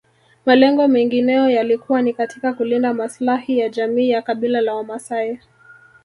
Malengo mengineyo yalikuwa ni katika kulinda maslahi ya jamii ya kabila la Wamaasai